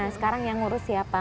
sekarang yang ngurus siapa